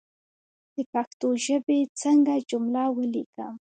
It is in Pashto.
د پښتو ژبى څنګه جمله وليکم